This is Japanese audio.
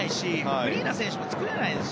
フリーな選手も作れないんです。